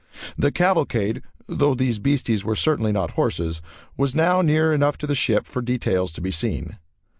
The cavalcade though these beasties were certainly not horses was now near enough to the ship for details to be seen.